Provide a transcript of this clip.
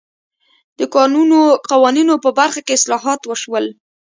د کانونو قوانینو په برخه کې اصلاحات وشول.